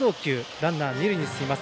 ランナー、二塁に進みます。